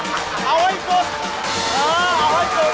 เอาให้สุดเอาให้สุก